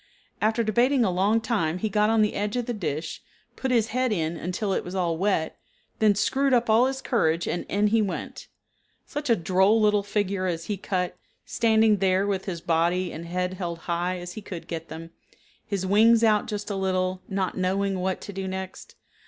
After debating a long time he got on the edge of the dish, put his head in until it was all wet, then screwed up all his courage and in he went. Such a droll little figure as he cut, standing there with his body and head held as high as he could get them, his wings out just a little, not knowing what to do next.